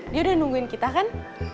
dia udah nungguin kita kan